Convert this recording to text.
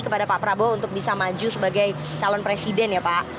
kepada pak prabowo untuk bisa maju sebagai calon presiden ya pak